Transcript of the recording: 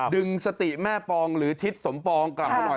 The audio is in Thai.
ดึงสติแม่ปองหรือทิศสมปองกลับมาหน่อย